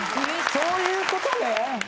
そういうことね。